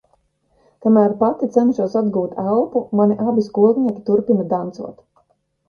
Kamēr pati cenšos atgūt elpu, mani abi skolnieki turpina dancot.